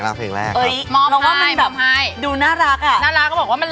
เพลงรักเพลงแรกครับ